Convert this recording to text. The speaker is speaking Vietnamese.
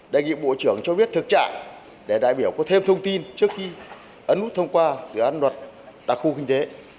đại nghiệp bộ trưởng cho biết thực trạng để đại biểu có thêm thông tin trước khi ấn nút thông qua dự án luật đặc khu kinh tế